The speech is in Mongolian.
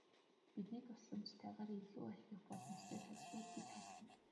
Бидний туслалцаатайгаар илүү ахих боломжтой салбарууд гэж харсан.